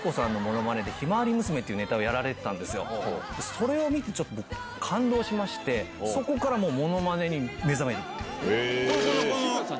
それを見て僕感動しましてそこからものまねに目覚める。